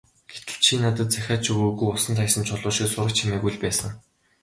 Гэтэл чи надад захиа ч өгөөгүй, усанд хаясан чулуу шиг сураг чимээгүй л байсан.